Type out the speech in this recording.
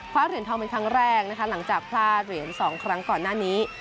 เหรียญทองเป็นครั้งแรกนะคะหลังจากพลาดเหรียญ๒ครั้งก่อนหน้านี้